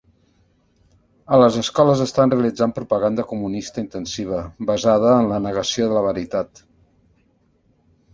A les escoles estan realitzant propaganda comunista intensiva, basada en la negació de la veritat.